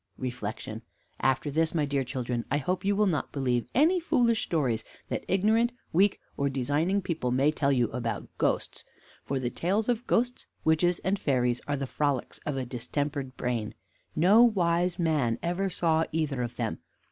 REFLECTION After this, my dear children, I hope you will not believe any foolish stories that ignorant, weak, or designing people may tell you about ghosts; for the tales of ghosts, witches, and fairies are the frolics of a distempered brain. No wise man ever saw either of them.